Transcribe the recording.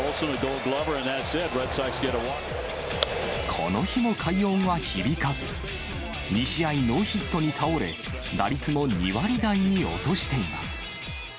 この日も快音は響かず、２試合ノーヒットに倒れ、打率も２割台に落としています。